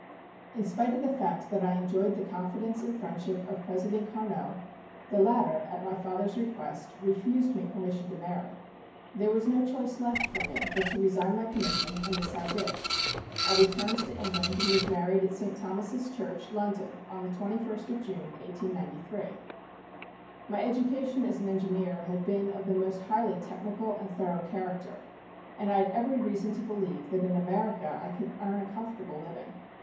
"In spite of the fact that I enjoyed the confidence and friendship of President Carnot the latter, at my father's request, refused me permission to marry. There was no choice left for me but to resign my commission, and this I did. I returned to England and was married at St. Thomas's Church, London, on the 21st of June, 1893. "My education as an engineer had been of the most highly technical and thorough character, and I had every reason to believe that in America I could earn a comfortable living.